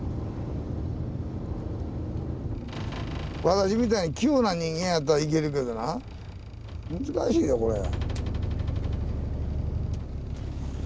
私みたいに器用な人間やったらいけるけどな難しいよこれ。